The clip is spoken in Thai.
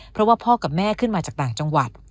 เพราะว่าพ่อกับแม่ขึ้นมาจากต่างจังหวัด